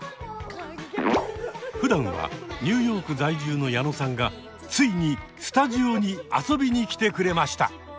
ふだんはニューヨーク在住の矢野さんがついにスタジオに遊びに来てくれました！